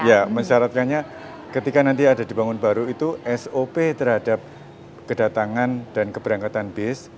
ya mensyaratkannya ketika nanti ada dibangun baru itu sop terhadap kedatangan dan keberangkatan bus